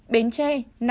bến tre năm mươi tám